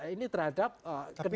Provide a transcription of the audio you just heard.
ini terhadap kedua isu ini